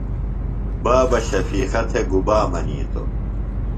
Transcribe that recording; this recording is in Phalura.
بابہ شفیقہ تھےۡ گُبا منِیتوۡ؟